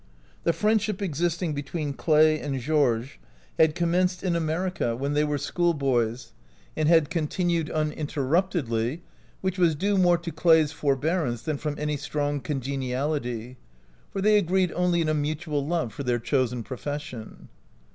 The friendship existing between Clay and Georges had commenced in America when 5 OUT OF BOHEMIA they were school boys, and had continued uninterruptedly, which was due more to Clay's forbearance than from any strong congeniality, for they agreed only in a mu tual love for their chosen profession.